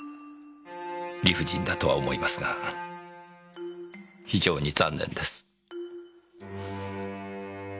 理不尽だとは思いますが非常に残念です。